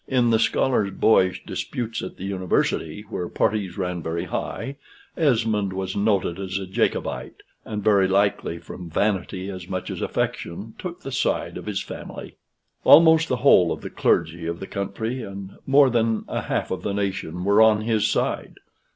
In the scholars' boyish disputes at the University, where parties ran very high, Esmond was noted as a Jacobite, and very likely from vanity as much as affection took the side of his family. Almost the whole of the clergy of the country and more than a half of the nation were on this side.